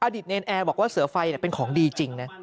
เนรนแอร์บอกว่าเสือไฟเป็นของดีจริงนะ